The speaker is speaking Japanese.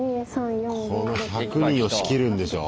この１００人を仕切るんでしょ？